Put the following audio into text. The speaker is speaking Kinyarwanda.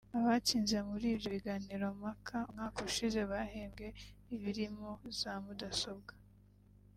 Abatsinze muri ibyo biganiro mpaka umwaka ushize bahembwe ibirimo za mudasobwa